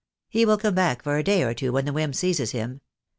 He will come back for a day or two when the whim seizes him.